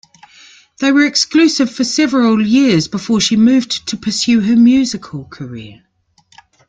They were exclusive for several years before she moved to pursue her musical career.